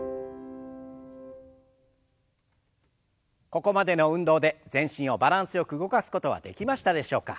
ここまでの運動で全身をバランスよく動かすことはできましたでしょうか。